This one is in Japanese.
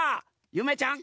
ゆめちゃん